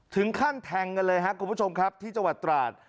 ถึงขั้นแทงกันเลยครับคุณผู้ชมครับที่จังหวัดตราด